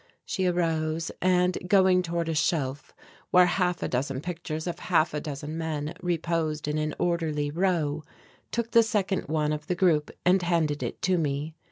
She arose and, going toward a shelf where half a dozen pictures of half a dozen men reposed in an orderly row, took the second one of the group and handed it to me.